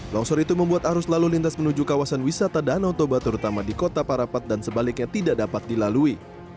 longsor itu membuat arus lalu lintas menuju kawasan wisata danau toba terutama di kota parapat dan sebaliknya tidak dapat dilalui